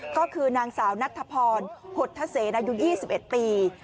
ก็คือนางสาวนัทธพรหดทะเซนอายุ๒๑ปี